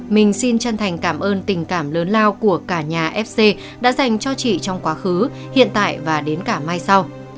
mình xin chân thành cảm ơn tình cảm lớn lao của cả nhà fc đã dành cho chị trong quá khứ hiện tại và đến cả mai sau